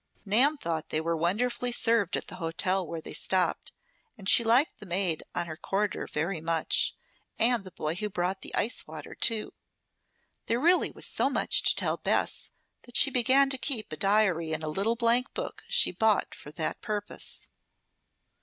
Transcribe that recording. Nan thought they were wonderfully served at the hotel where they stopped, and she liked the maid on her corridor very much, and the boy who brought the icewater, too. There really was so much to tell Bess that she began to keep a diary in a little blank book she bought for that purpose.